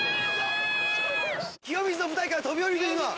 清水の舞台から飛び降りるというのは。